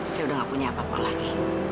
saya udah gak punya apa apa lagi